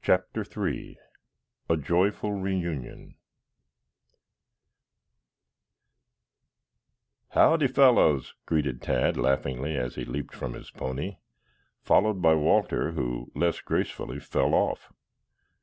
CHAPTER III A JOYFUL REUNION "Howdy, fellows," greeted Tad laughingly as he leaped from his pony, followed by Walter who, less gracefully, fell off.